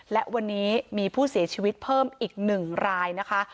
และวันนี้มีผู้เสียชีวิตเพิ่มอีก๑รายนะคะ